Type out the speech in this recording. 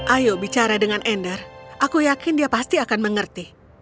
ayo bicara dengan ender aku yakin dia pasti akan mengerti